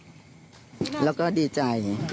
อ๋อก็ให้แต่ทุกสิ่งเราเตรียมใจไว้หมดแล้ว